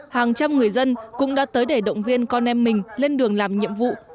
hàng trăm người dân cũng đã tới để động viên con em mình lên đường làm nhiệm vụ